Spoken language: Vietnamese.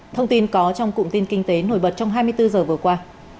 thông tin có trong cụm tin kinh tế nổi bật trong hai mươi bốn h vừa qua